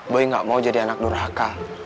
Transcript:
gue gak mau jadi anak durhaka